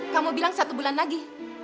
kamu bilang satu bulan lagi